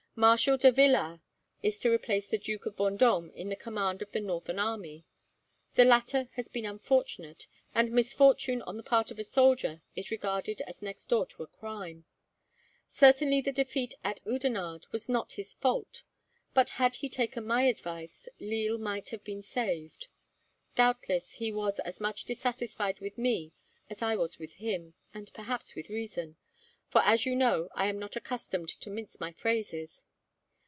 Marshal de Villars is to replace the Duke of Vendome in the command of the northern army. The latter has been unfortunate, and misfortune on the part of a soldier is regarded as next door to a crime. Certainly the defeat at Oudenarde was not his fault, but had he taken my advice, Lille might have been saved. Doubtless he was as much dissatisfied with me as I was with him, and perhaps with reason; for, as you know, I am not accustomed to mince my phrases.